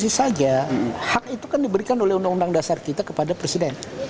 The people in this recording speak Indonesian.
itu saja hak itu kan diberikan oleh undang undang dasar kita kepada presiden